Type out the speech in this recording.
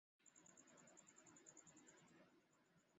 چِٻرَي ٻُورا ۾ ٻيهلَي سِگڙا لَڪا ڏيکي هِلَي پلَي۔